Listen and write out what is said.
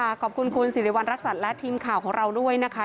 ขอบคุณคุณสิริวัณรักษัตริย์และทีมข่าวของเราด้วยนะคะ